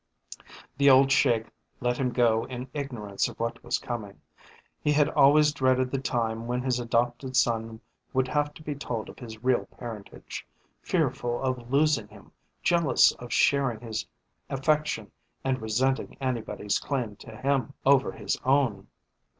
The old Sheik let him go in ignorance of what was coming. He had always dreaded the time when his adopted son would have to be told of his real parentage, fearful of losing him, jealous of sharing his affection and resenting anybody's claim to him over his own.